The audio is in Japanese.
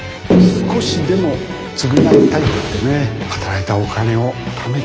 少しでも償いたいってね働いたお金をためて。